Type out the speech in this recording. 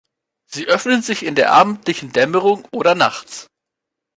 Sie öffnen sich in der abendlichen Dämmerung oder nachts.